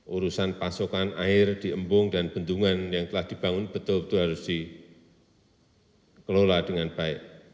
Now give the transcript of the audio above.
urusan pasokan air di embung dan bendungan yang telah dibangun betul betul harus dikelola dengan baik